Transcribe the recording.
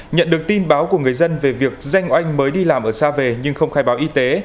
nhận được tin báo của người dân về việc danh oanh mới đi làm ở xa về nhưng không khai báo y tế